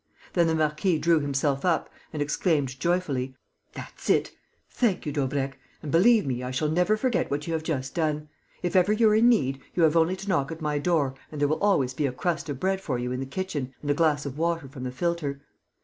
Then the marquis drew himself up and exclaimed, joyfully: "That's it!.... Thank you, Daubrecq. And, believe me, I shall never forget what you have just done. If ever you're in need, you have only to knock at my door and there will always be a crust of bread for you in the kitchen and a glass of water from the filter.